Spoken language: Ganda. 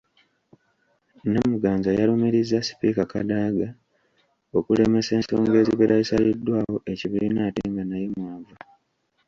Namuganza yalumirizza Sipiika Kadaga okulemesa ensonga ezibeera zisaliddwawo ekibiina ate nga naye mw'ava.